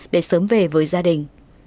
để sớm về với gia đình